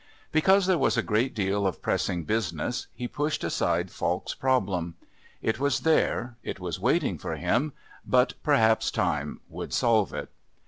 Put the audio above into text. Because there was a great deal of pressing business he pushed aside Falk's problem. It was there, it was waiting for him, but perhaps time would solve it.